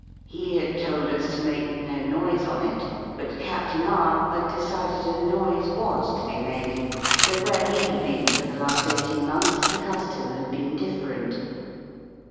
He had told us A to make no noise on it, but Captain R had decided a noise ( was to be made, though where he had been for the la ft eighteen months the custom had been different.